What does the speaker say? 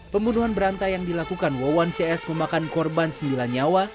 pembunuhan berantai yang dilakukan wawan cs memakan korban sembilan nyawa